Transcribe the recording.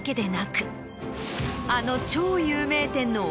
あの。